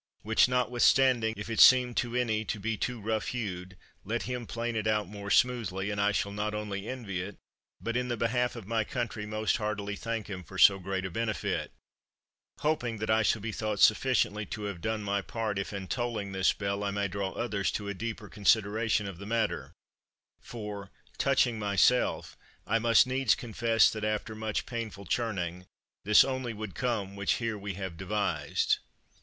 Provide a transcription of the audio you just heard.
Which notwithstanding, if it seem to any to be too rough hewed, let him plane it out more smoothly, and I shall not only not envy it, but in the behalf of my country most heartily thank him for so great a benefit; hoping that I shall be thought sufficiently to have done my part if in tolling this bell I may draw others to a deeper consideration of the matter; for, touching myself, I must needs confess that after much painful churning this only would come which here we have devised."